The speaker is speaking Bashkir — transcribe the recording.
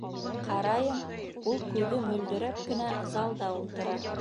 Ҡарайым, ул күҙе мөлдөрәп кенә залда ултыра.